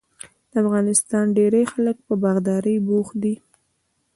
د افغانستان ډیری خلک په باغدارۍ بوخت دي.